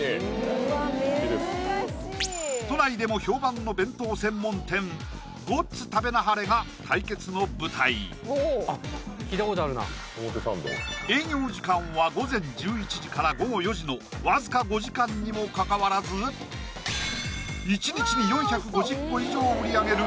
うわっ難しい都内でも評判の弁当専門店ごっつ食べなはれが対決の舞台あっ聞いたことあるなのわずか５時間にもかかわらず１日に４５０個以上売り上げる